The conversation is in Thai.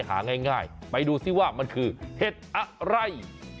หาง่ายไปดูซิว่ามันคือเห็ดอะไร